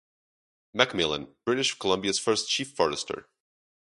MacMillan, British Columbia's first Chief Forester.